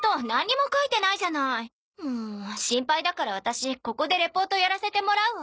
もう心配だからワタシここでレポートやらせてもらうわ。